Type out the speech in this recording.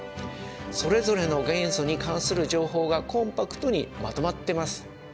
それぞれの元素に関する情報がコンパクトにまとまってます。